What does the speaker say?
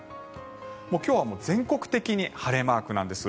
今日は全国的に晴れマークなんです。